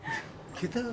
桁が。